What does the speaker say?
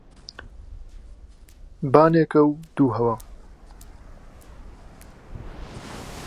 بانێکهو دوو ههوا